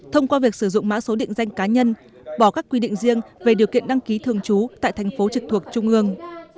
thông qua việc sử dụng mã số định danh cá nhân bỏ các quy định riêng về điều kiện đăng ký thường trú tại thành phố trực thuộc trung ương